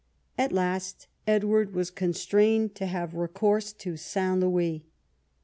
At last Edward was constrained to have recourse to St. Louis.